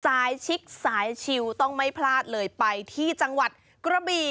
ชิคสายชิวต้องไม่พลาดเลยไปที่จังหวัดกระบี่